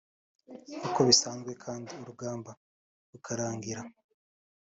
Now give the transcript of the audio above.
nkuko bisanzwe kandi urugamba rukarangira